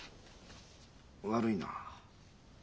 悪いな。